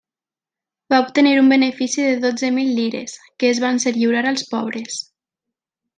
Va obtenir un benefici de dotze mil lires, que es van ser lliurar als pobres.